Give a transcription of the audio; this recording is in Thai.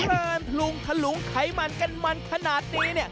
เอิ่นพรุงฉลุงไขมันเกินมันขนาดนี้